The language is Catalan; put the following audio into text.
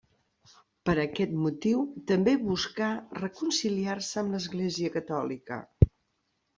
Per aquest motiu, també buscà reconciliar-se amb l'Església catòlica.